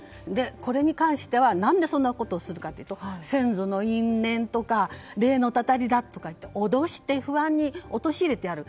これに関しては何でそんなことをするかというと先祖の因縁とか霊のたたりとか言って脅して、不安に陥れて、やる。